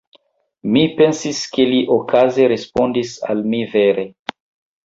Mi pensis, ke li okaze respondis al mi vere.